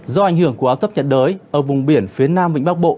do ảnh hưởng của áp thấp nhiệt đới ở vùng biển phía nam vĩnh bắc bộ